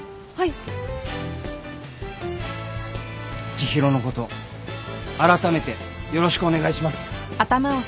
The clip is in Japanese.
知博のことあらためてよろしくお願いします。